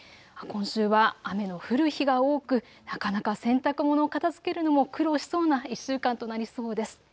今週は雨の降る日が多くなかなか洗濯物を片づけるのも苦労しそうな１週間となりそうです。